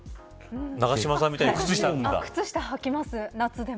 永島さんみたいに靴下はくんだ。